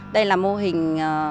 đây là mô hình